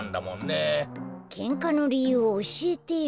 けんかのりゆうをおしえてよ。